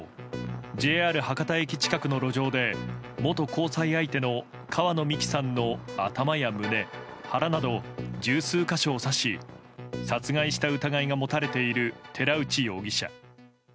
ＪＲ博多駅近くの路上で元交際相手の川野美樹さんの頭や胸、腹など十数か所を刺し殺害した疑いが持たれている寺内容疑者。